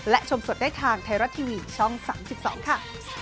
และชมสดได้ทางไทยรัฐทีวีช่อง๓๒ค่ะ